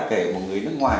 kể một người nước ngoài